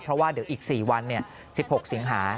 เพราะว่าเดี๋ยวอีก๔วัน๑๖สิงหา